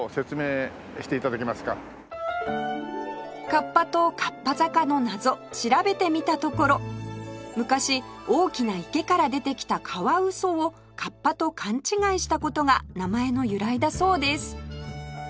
カッパと合羽坂の謎調べてみたところ昔大きな池から出てきたカワウソをカッパと勘違いした事が名前の由来だそうです